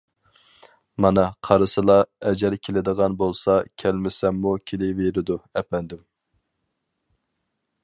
مانا قارىسىلا، ئەجەل كېلىدىغان بولسا كۈلمىسەممۇ كېلىۋېرىدۇ، ئەپەندىم.